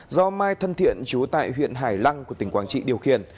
do mai thân thiện chú tại huyện hải lăng của tỉnh quảng trị điều khiển